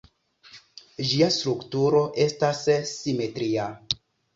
Ĝia strukturo estas simetria.